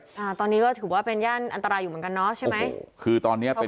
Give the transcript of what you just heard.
ตอนนี้ก็ถือว่าเป็นย่านอันตรายอยู่เหมือนกันใช่ไหม